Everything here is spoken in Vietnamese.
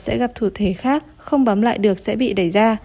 sẽ gặp thụ thể khác không bấm lại được sẽ bị đẩy ra